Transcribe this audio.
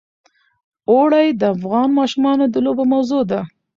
اوړي د افغان ماشومانو د لوبو موضوع ده.